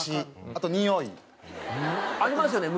ありますよね